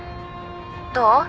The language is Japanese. どう？